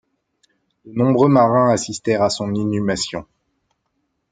De nombreux marins assistèrent à son inhumation.